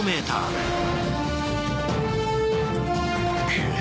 くっ。